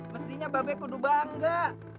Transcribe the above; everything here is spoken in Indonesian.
mestinya babe kudu bangga